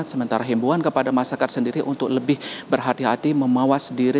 sementara himbuan kepada masyarakat sendiri untuk lebih berhati hati memawas diri